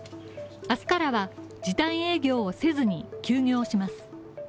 明日からは時短営業をせずに休業します。